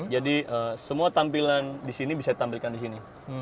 jadi semua tampilan di sini bisa ditampilkan di sini